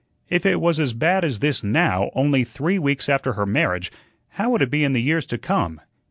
If it was as bad as this now, only three weeks after her marriage, how would it be in the years to come?